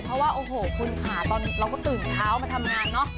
เพราะว่าโอ้โหคุณค่ะตอนเราก็ตื่นเช้ามาทำงานเนอะ